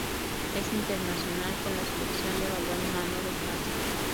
Es internacional con la Selección de balonmano de Francia.